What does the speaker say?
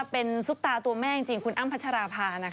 เป็นซุปตาตัวแม่จริงคุณอ้ำพัชราภา